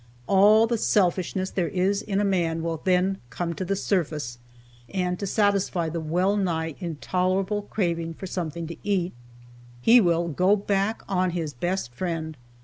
All the selfishness there is in a man will then come to the surface, and to satisfy the well nigh intolerable craving for something to eat, he will "go back" on his best friend.